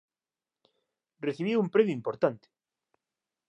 Recibiu un premio importante